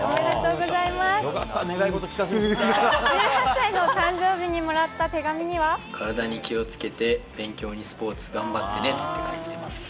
１８歳の誕生日にもらった手体に気をつけて、勉強にスポーツ頑張ってねって書いてます。